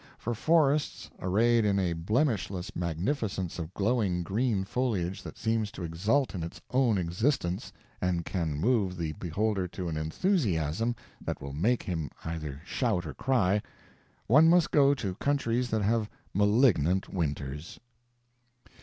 For forests arrayed in a blemishless magnificence of glowing green foliage that seems to exult in its own existence and can move the beholder to an enthusiasm that will make him either shout or cry, one must go to countries that have malignant winters.